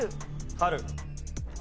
春。